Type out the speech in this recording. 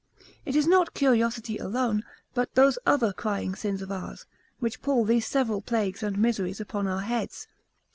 It is not curiosity alone, but those other crying sins of ours, which pull these several plagues and miseries upon our heads.